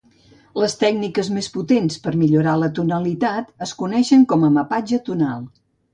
Les tècniques més potents per millorar la tonalitat es coneixen com a mapatge tonal.